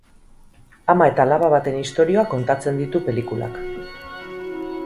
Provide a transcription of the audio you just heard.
Ama eta alaba baten istorioa kontatzen ditu pelikulak.